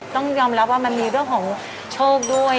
ต้องยอมรับว่ามันมีเรื่องของโชคด้วย